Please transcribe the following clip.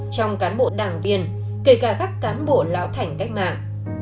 trong cán bộ đảng viên kể cả các cán bộ lão thành cách mạng